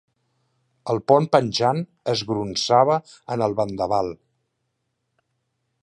El pont penjant es gronsava en el vendaval.